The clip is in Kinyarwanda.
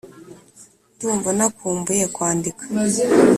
Ndumva nakumbuye kwandika